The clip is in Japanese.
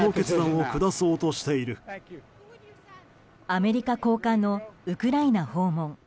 アメリカ高官のウクライナ訪問。